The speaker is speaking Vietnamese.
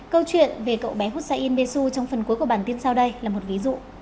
câu chuyện về cậu bé hussein besu trong phần cuối của bản tin sau đây là một ví dụ